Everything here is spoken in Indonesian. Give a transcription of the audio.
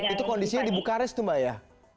itu kondisinya di bukares tuh mbak ya